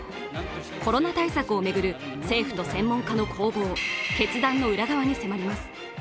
コロナ対策を巡る政府と専門家の攻防、決断の裏側に迫ります。